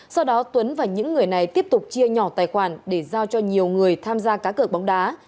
sau đó tuấn và những người này tiếp tục chia nhỏ tài khoản để giao cho nhiều người tham gia cá cợp bóng đá